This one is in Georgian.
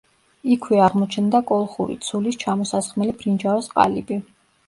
იქვე აღმოჩნდა კოლხური ცულის ჩამოსასხმელი ბრინჯაოს ყალიბი.